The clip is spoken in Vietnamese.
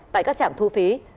tại các chạm thu phí